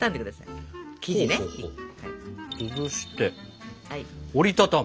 潰して折り畳む？